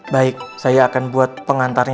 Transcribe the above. baik saya akan buat pengantarnya